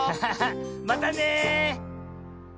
またね！